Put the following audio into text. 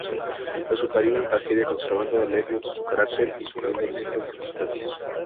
Resultaría una tragedia, conservando Lelio su carácter y suponiendo distintas circunstancias.